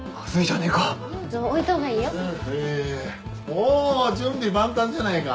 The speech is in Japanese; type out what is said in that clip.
お準備万端じゃないか。